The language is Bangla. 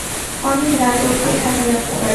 অনেক রাত অব্ধি থাকা লাগতে পারে।